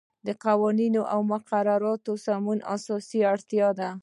د قوانینو او مقرراتو سمون اساسی اړتیا ده.